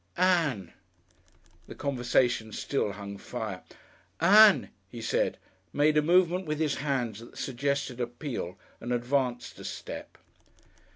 "Ann." The conversation still hung fire. "Ann," he said, made a movement with his hands that suggested appeal, and advanced a step.